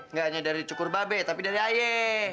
nggak hanya dari cukur babe tapi dari aye